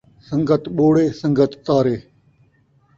سن٘گت ٻوڑے ، سن٘گت تارے